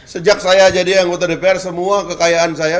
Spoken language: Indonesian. sejak saya jadi anggota dpr semua kekayaan saya